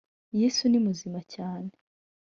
yesu ni muzima cyane